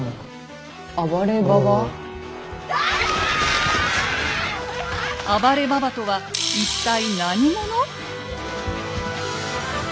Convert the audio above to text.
「暴れババ」とは一体何者？